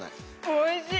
おいしい！